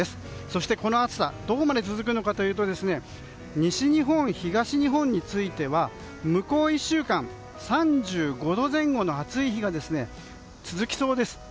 そしてこの暑さどこまで続くのかというと西日本、東日本については向こう１週間３５度前後の暑い日が続きそうです。